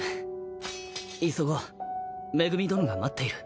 急ごう恵殿が待っている。